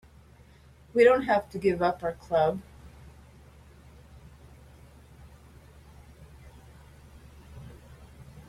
We don't have to give up our club.